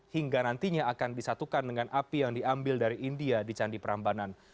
hingga nantinya akan disatukan dengan api yang diambil dari india di candi prambanan